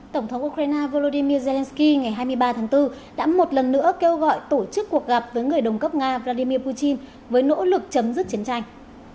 tổng thống ukraine volodymyr zelensky ngày hai mươi ba tháng bốn đã một lần nữa kêu gọi tổ chức cuộc gặp với người đồng cấp nga vladimir putin với nỗ lực chấm dứt chiến tranh